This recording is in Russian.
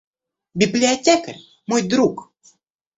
Библиотекарь мой друг.